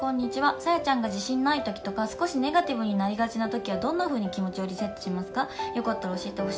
さやちゃんが自信ないときとか、少しネガティブになりがちなときには、どんなふうに気持ちをリセットしますか？